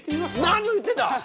何を言ってるんだ！